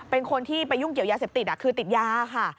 เป็นคนที่ไปยุ่งเกี่ยวยาเสพติดคือติดยาค่ะ